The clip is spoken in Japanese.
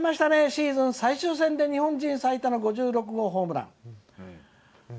シーズン最終戦で日本人最多の５６号ホームラン」。